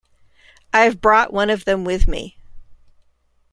I have brought one of them with me.